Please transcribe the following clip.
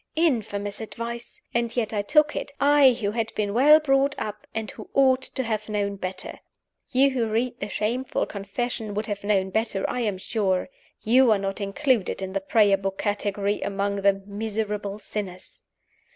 Infamous advice! And yet I took it I, who had been well brought up, and who ought to have known better. You who read this shameful confession would have known better, I am sure. You are not included, in the Prayer book category, among the "miserable sinners."